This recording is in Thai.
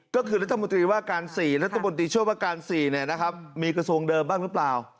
ก็คือรัฐมนตรีว่าการ๔รัฐมนตรีช่วยว่าการ๔มีกระทรวงเดิมบ้างหรือเปล่า